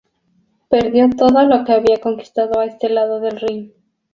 Perdió todo lo que había conquistado a este lado del Rin.